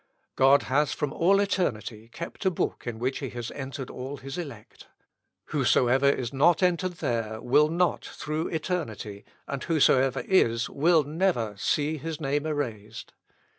God has from all eternity kept a book in which he has entered all his elect. Whosoever is not entered there will not, through eternity; and whosoever is, will never see his name erased.